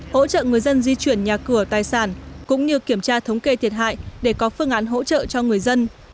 hỗ trợ người dân di chuyển nhà cửa tài sản cũng như kiểm tra thống kê thiệt hại để có phương án hỗ trợ cho người dân